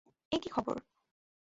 এ কী খবর!